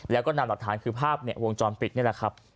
แล้วก็นำหลักฐานคือภาพวงจรปิดนี่แหละครับ